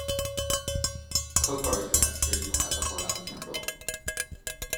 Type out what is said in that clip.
科克尔犬是一种来自荷兰的犬种。